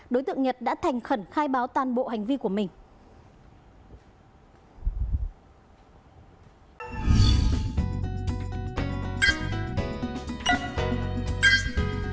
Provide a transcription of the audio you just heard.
đối tượng nhật đã thành khẩn khai báo toàn bộ hành vi của mình